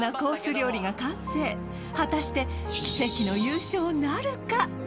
料理が完成果たして奇跡の優勝なるか？